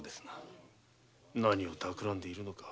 何をたくらんでいるのか。